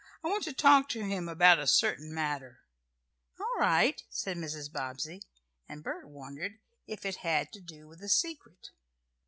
I want to talk to him about a certain matter." "All right," said Mrs. Bobbsey, and Bert wondered if it had to do with the secret.